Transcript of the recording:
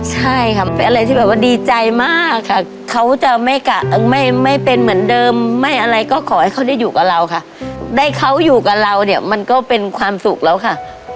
ใช่ค่ะเป็นอะไรที่แบบว่าดีใจมากค่ะเขาจะไม่เป็นเหมือนเดิมไม่อะไรก็ขอให้เขาได้อยู่กับเราค่ะได้เขาอยู่กับเราเนี่ยมันก็เป็นความสุขแล้วค่ะ